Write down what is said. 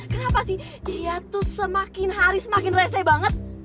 kenapa sih dia tuh semakin hari semakin reseh banget